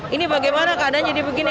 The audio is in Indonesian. ini bagaimana keadaan jadi begini